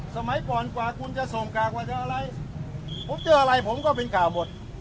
สมัยก่อนกว่าคุณจะส่งกากกว่าเจออะไรผมเจออะไรผมก็เป็นข่าวหมด